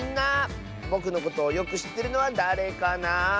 ぼくのことをよくしってるのはだれかなあ。